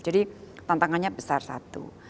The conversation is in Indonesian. jadi tantangannya besar satu